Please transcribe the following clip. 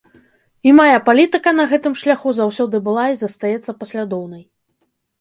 І мая палітыка на гэтым шляху заўсёды была і застаецца паслядоўнай.